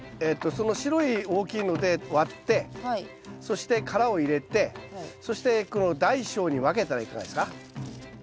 その白い大きいので割ってそして殻を入れてそしてこの大小に分けたらいかがですか？